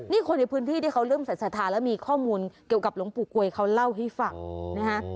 นี่คนในพื้นที่ที่เขาเริ่มใส่สัทธาแล้วมีข้อมูลเกี่ยวกับหลวงปู่กวยเขาเล่าให้ฟังนะฮะ